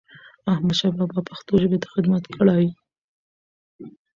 احمدشاه بابا پښتو ژبې ته خدمت کړی.